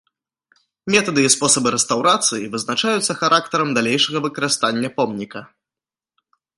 Метады і спосабы рэстаўрацыі вызначаюцца характарам далейшага выкарыстання помніка.